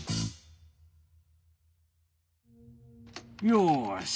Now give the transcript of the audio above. よし！